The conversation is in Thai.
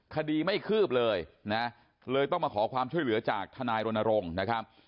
คดีไม่คืบเลยนะเลยต้องมาขอความช่วยเหลือจากทนายรณรงค์นะครับ